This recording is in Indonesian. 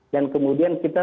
dan kemudian kita